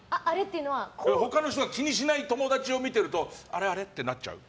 他の人が気にしない友達を見るとあれあれ？ってなっちゃう？